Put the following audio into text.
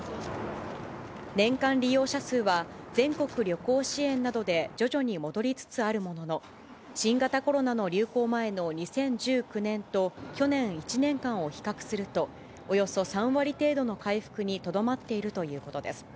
年間利用者数は、全国旅行支援などで徐々に戻りつつあるものの、新型コロナの流行前の２０１９年と去年１年間を比較すると、およそ３割程度の回復にとどまっているということです。